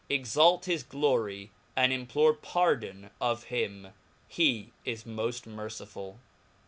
Exalt his glory, and implore pardon of him, heismoft mercifulL CHAP.